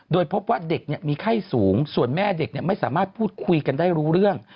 โดยพบว่าเด็กมีไข้สูงส่วนแม่เด็กไม่สามารถพูดคุยกันได้รู้เรื่อง